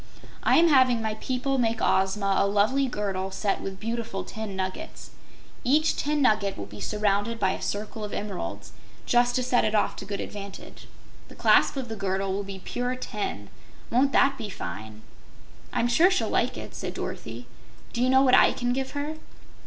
"I am having my people make Ozma a lovely girdle set with beautiful tin nuggets. Each tin nugget will be surrounded by a circle of emeralds, just to set it off to good advantage. The clasp of the girdle will be pure tin! Won't that be fine?" "I'm sure she'll like it," said Dorothy. "Do you know what I can give her?"